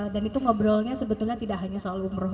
dan itu ngobrolnya sebetulnya tidak hanya soal umroh